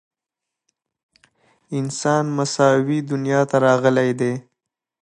انسانان مساوي دنیا ته راغلي دي.